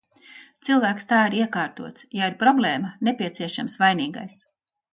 Cilvēks tā ir iekārtots – ja ir problēma, nepieciešams vainīgais.